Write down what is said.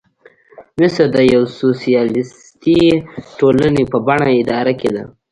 مصر د یوې سوسیالیستي ټولنې په بڼه اداره کېده.